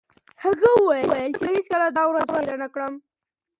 هغه وویل چې زه به هیڅکله دا ورځ هېره نه کړم.